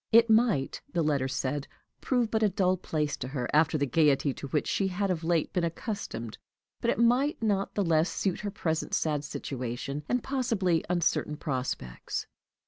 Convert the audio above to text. It might, the letter said, prove but a dull place to her after the gayety to which she had of late been accustomed, but it might not the less suit her present sad situation, and possibly uncertain prospects.